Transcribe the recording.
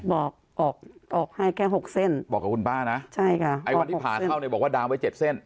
บอกออกออกให้แค่หกเส้นบอกกับคุณป้านะใช่ค่ะไอ้วันที่ผ่าเข้าเนี่ยบอกว่าดามไว้เจ็ดเส้น